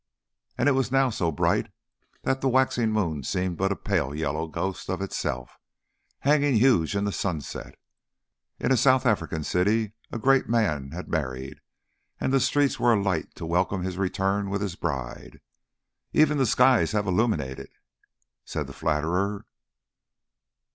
And it was now so bright that the waxing moon seemed but a pale yellow ghost of itself, hanging huge in the sunset. In a South African city a great man had married, and the streets were alight to welcome his return with his bride. "Even the skies have illuminated," said the flatterer.